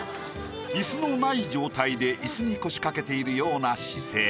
イスのない状態でイスに腰かけているような姿勢。